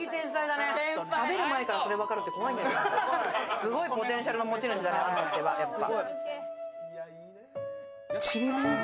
すごいポテンシャルの持ち主だな、やっぱ。